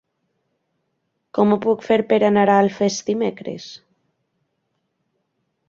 Com ho puc fer per anar a Alfés dimecres?